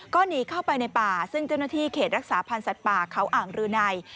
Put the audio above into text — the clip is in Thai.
ก็หนีเข้าไปในป่าซึ่งเจ้าหน้าที่เขตรักษาพันธ์สัตว์ป่าเขาอ่างรืนัย